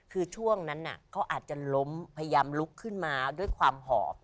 คือช่วงนั้นเขาอาจจะล้มพยายามลุกขึ้นมาด้วยความหอบ